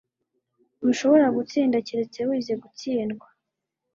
Ntushobora gutsinda keretse wize gutsindwa.”